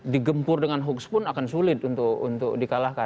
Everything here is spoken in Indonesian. digempur dengan hoax pun akan sulit untuk dikalahkan